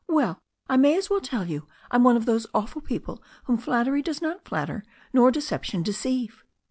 "Well, I may as well tell you I'm one of those awful people whom flat tery does not flatter, nor deception deceive."